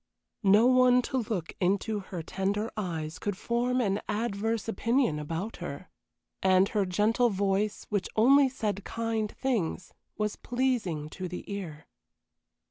No one to look into her tender eyes could form an adverse opinion about her; and her gentle voice, which only said kind things, was pleasing to the ear.